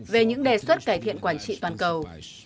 về những đề xuất cải thiện quản trị toàn cầu